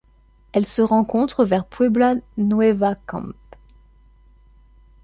Elle se rencontre vers Puebla Nueva Camp.